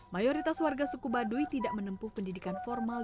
mayoritas warga suku baduy tidak menempuh pendidikan formal